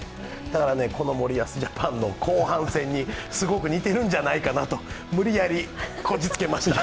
だからこの森保ジャパンの後半戦に、すごく似てるんじゃないかなと無理矢理こじつけました。